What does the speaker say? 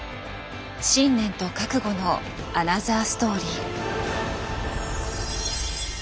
信念と覚悟のアナザーストーリー。